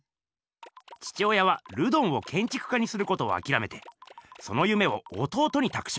父親はルドンをけんちく家にすることをあきらめてその夢を弟にたくします。